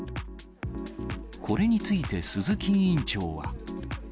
これについて、鈴木委員長は。